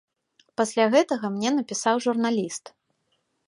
Пасля гэтага мне напісаў журналіст.